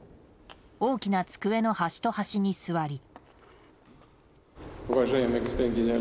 大きな机の端と端に座り。